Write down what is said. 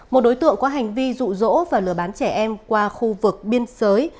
một đối tượng có hành vi rụ rỗ và lừa bán trẻ em qua khu vực biên giới